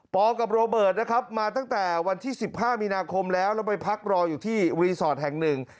กับโรเบิร์ตนะครับมาตั้งแต่วันที่๑๕มีนาคมแล้วแล้วไปพักรออยู่ที่รีสอร์ทแห่งหนึ่ง